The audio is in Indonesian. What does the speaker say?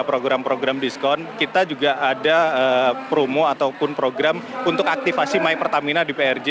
program program diskon kita juga ada promo ataupun program untuk aktifasi my pertamina di prj